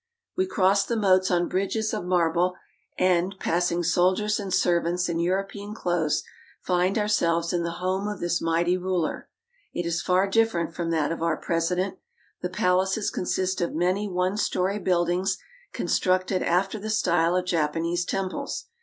We cross the moats on bridges of marble, and, passing soldiers and servants in European clothes, find ourselves in the home of this mighty ruler. It is far different from that of our President. The palaces consist of many one story buildings constructed after the style of Japanese temples.